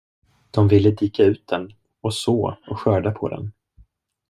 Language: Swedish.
De ville dika ut den och så och skörda på den.